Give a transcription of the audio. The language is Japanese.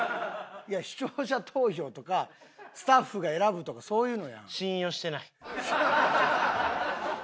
いや視聴者投票とかスタッフが選ぶとかそういうのやん。